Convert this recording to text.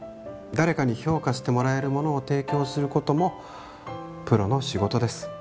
誰かに評価してもらえるものを提供することもプロの仕事です。